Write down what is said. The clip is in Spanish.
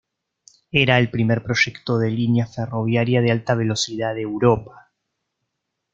Era el primer proyecto de línea ferroviaria de alta velocidad de Europa.